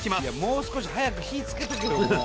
もう少し早く火つけとけよもう。